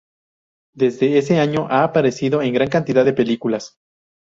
Desde ese año, ha aparecido en gran cantidad de películas.